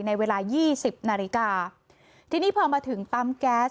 ในเวลา๒๐นาฬิกาที่นี่พอมาถึงปั๊มแก๊ส